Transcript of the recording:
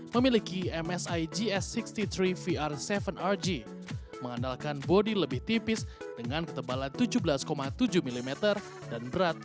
memiliki msi gs enam puluh tiga vr tujuh rg mengandalkan bodi lebih tipis dengan ketebalan tujuh belas tujuh mm dan berat satu sembilan kg